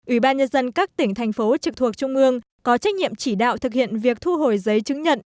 ủy ban nhân dân các tỉnh thành phố trực thuộc trung ương có trách nhiệm chỉ đạo thực hiện việc thu hồi giấy chứng nhận